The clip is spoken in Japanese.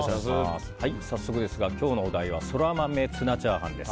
早速ですが今日のお題はソラマメツナチャーハンです。